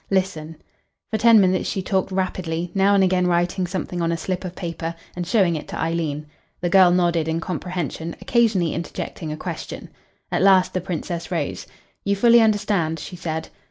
"Listen." For ten minutes she talked rapidly, now and again writing something on a slip of paper and showing it to Eileen. The girl nodded in comprehension, occasionally interjecting a question. At last the Princess rose. "You fully understand?" she said.